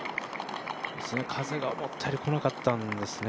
風が思ったよりこなかったんですね。